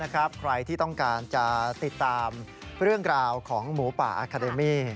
ใครที่ต้องการจะติดตามเรื่องราวของหมูป่าอาคาเดมี่